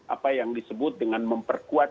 apa yang disebut dengan memperkuat